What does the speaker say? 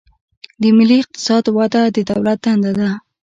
د ملي اقتصاد وده د دولت دنده ده.